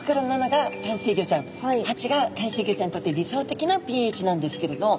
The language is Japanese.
８が海水魚ちゃんにとって理想的なｐＨなんですけれど。